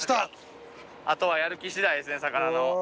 あとはやる気しだいですね魚の。